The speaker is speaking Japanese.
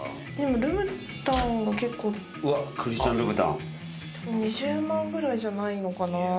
ルブタンが結構２０万ぐらいじゃないのかな？